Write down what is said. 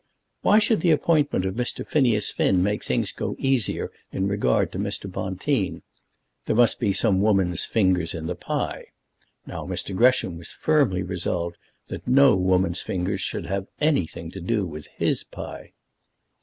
Why should the appointment of Mr. Phineas Finn make things go easier in regard to Mr. Bonteen? There must be some woman's fingers in the pie. Now Mr. Gresham was firmly resolved that no woman's fingers should have anything to do with his pie.